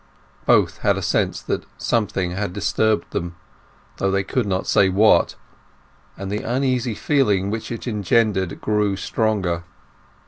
Both had a sense that something had disturbed them, though they could not say what; and the uneasy feeling which it engendered grew stronger.